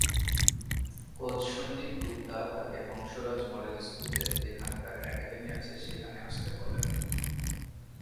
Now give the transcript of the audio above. Coach Sandeep Gupta তাকে Hans Raj model স্কুলে, যেখানে তার একাডেমী আছে, সেখানে আসতে বলেন।